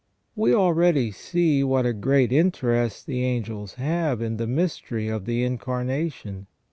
We already see what a great interest the angels have in the mystery of the Incarnation.